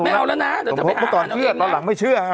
ไม่เอาแล้วนะตอนก่อนเชื่อตอนหลังไม่เชื่อ